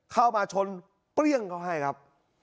เข้ามาชนเปรี้ยงเขาให้ครับ